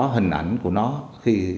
hình ảnh của nó khi